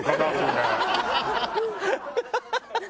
ハハハハ！